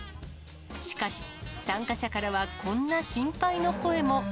しかし、参加者からはこんな心配の声も。